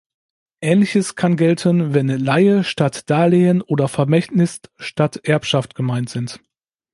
Ähnliches kann gelten, wenn Leihe statt Darlehen oder Vermächtnis statt Erbschaft gemeint sind.